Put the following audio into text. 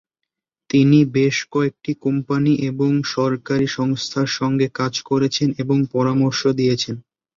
তিনি বেশ কয়েকটি কোম্পানি এবং সরকারি সংস্থার সাথে কাজ করেছেন এবং পরামর্শ দিয়েছেন।